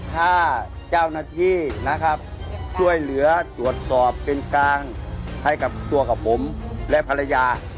ถ้าเจ้าหน้าที่นะครับช่วยเหลือตรวจสอบเป็นกลางให้กับตัวกับผมและภรรยา